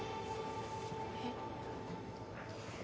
えっ？